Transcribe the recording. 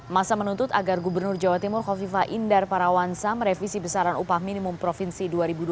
masa menuntut agar gubernur jawa timur kofifa indar parawansa merevisi besaran upah minimum provinsi dua ribu dua puluh